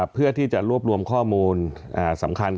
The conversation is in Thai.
เพื่อที่จะรวบรวมข้อมูลสำคัญ